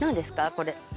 これ。